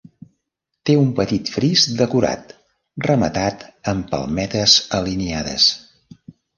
Té un petit fris decorat rematat amb palmetes alineades.